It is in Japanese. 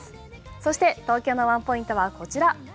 そして東京のワンポイントはこちら。